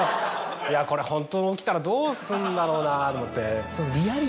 これ本当に起きたらどうすんだろうなと思って。